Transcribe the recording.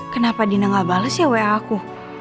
kenapa dina gak bales ya wa aku